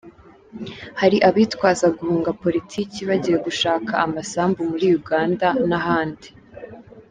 Hari abitwaza guhunga Politiki bagiye gushaka amasambu muri Uganda n’ahandi.